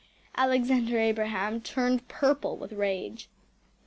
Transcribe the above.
Alexander Abraham turned purple with rage.